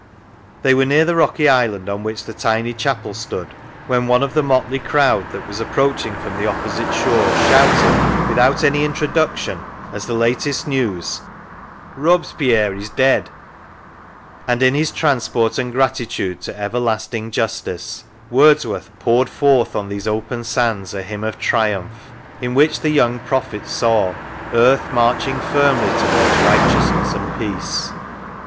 They were near the rocky island on which the tiny chapel stood, when one of the motley crowd that was approaching from the opposite shore shouted, without any introduction, as the latest news: "Robespierre is dead !" and in his " transport and gratitude to Everlasting Justice " Wordsworth " poured forth on those open sands a hymn of triumph," in which the young prophet saw " earth marching firmly towards righteousness and peace."